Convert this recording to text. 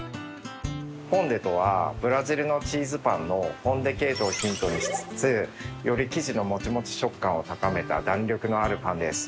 ぽんでとはブラジルのチーズパンのポン・デ・ケージョをヒントにしつつより生地のもちもち食感を高めた弾力のあるパンです。